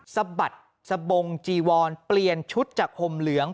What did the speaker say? สะบัดสะบงจีวอนเปลี่ยนชุดจากห่มเหลือง